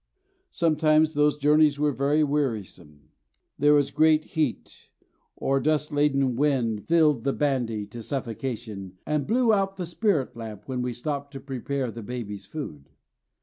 Sometimes those journeys were very wearisome. There was great heat, or a dust laden wind filled the bandy to suffocation and blew out the spirit lamp when we stopped to prepare the babies' food.